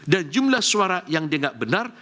dan jumlah suara yang dengar benar